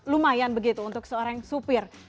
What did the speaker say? lumayan begitu untuk seorang supir